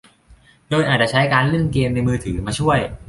โดยอาจจะใช้การเล่นเกมในมือถือมาช่วย